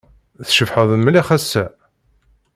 Tcebḥed mliḥ ass-a.